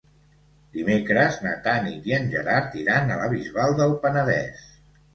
Dimecres na Tanit i en Gerard iran a la Bisbal del Penedès.